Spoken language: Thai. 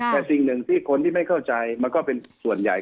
แต่สิ่งหนึ่งที่คนที่ไม่เข้าใจมันก็เป็นส่วนใหญ่